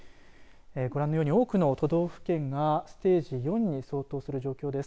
ご覧のように多くの都道府県がステージ４に相当する状況です。